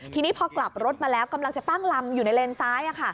ทีนี้พอกลับรถมาแล้วกำลังจะตั้งลำอยู่ในเลนซ้าย